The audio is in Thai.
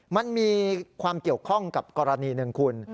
มันมีความเกี่ยวข้องกับกรณีหนึ่งคุณ